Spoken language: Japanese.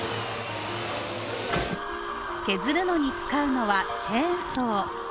削るのに使うのはチェーンソー。